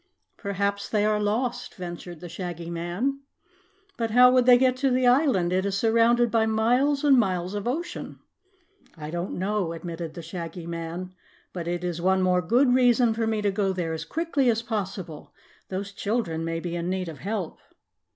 "Perhaps they are lost," ventured the Shaggy Man. "But how would they get to the island? It is surrounded by miles and miles of ocean." "I don't know," admitted the Shaggy Man, "but it is one more good reason for me to go there as quickly as possible those children may be in need of help."